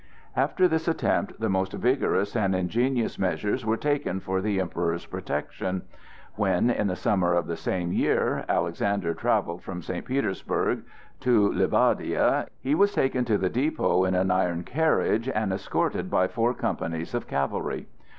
After this attempt the most vigorous and ingenious measures were taken for the Emperor's protection. When, in the summer of the same year, Alexander travelled from St. Petersburg to Livadia, he was taken to the depot in an iron carriage and escorted by four companies of cavalry.